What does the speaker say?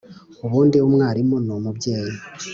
ubundi mwarimu ni umubyeyi,